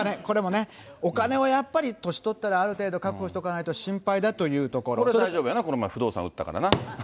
お金はやっぱり年取ったらある程度確保しとかないと心配だというこれは大丈夫やな、この前、不動産売ったからな。